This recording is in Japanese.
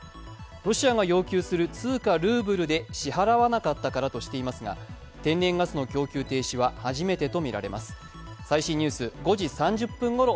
ロシアが要求する通貨・ルーブルで支払わなかったからとしていますが、天然ガスの供給停止は初めてとみられています。